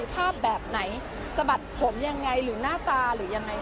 ภาพแบบไหนสะบัดผมยังไงหรือหน้าตาหรือยังไง